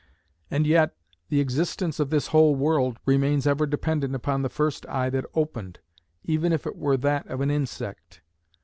And yet, the existence of this whole world remains ever dependent upon the first eye that opened, even if it were that of an insect.